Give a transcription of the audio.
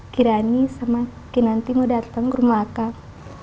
kirani sama kinanti mau datang ke rumah akang